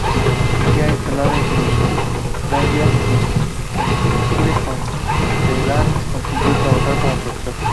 Ya instalados en Filadelfia, Giles Cleveland consiguió trabajo como profesor.